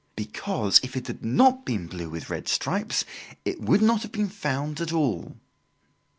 "Because, if it had not been blue with red stripes, it would not have been found at all."